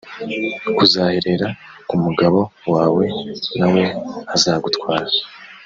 kuzaherera ku mugabo wawe na we azagutwara